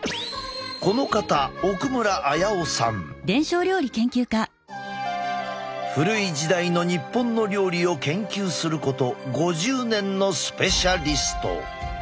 この方古い時代の日本の料理を研究すること５０年のスペシャリスト。